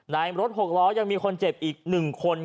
รถ๖ล้อยังมีคนเจ็บอีก๑คน